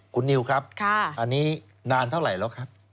คุณนิวครับอันนี้นานเท่าไหร่แล้วครับ